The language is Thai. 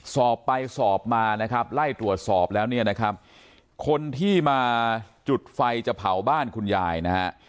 สอบไปสอบมานะครับไล่ตรวจสอบแล้วคนที่มาจุดไฟจะเผาบ้านคุณยายนะ